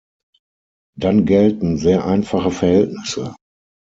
Dann gelten sehr einfache Verhältnisse.